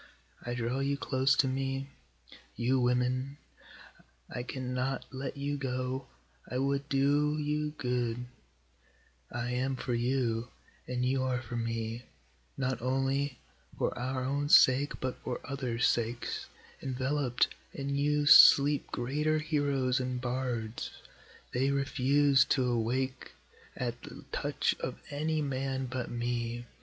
I draw you close to me, you women, I cannot let you go, I would do you good, I am for you, and you are for me, not only for our own sake, but for othersŌĆÖ sakes, EnvelopŌĆÖd in you sleep greater heroes and bards, They refuse to awake at the touch of any man but me.